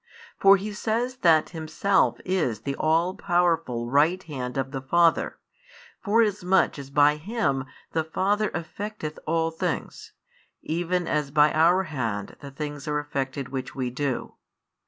For He says that Himself is the all powerful Right Hand of the Father, forasmuch as by Him the Father effecteth all things, even as by our hand the things are effected which we do.